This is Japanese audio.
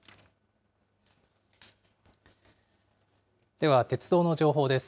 では、鉄道の情報です。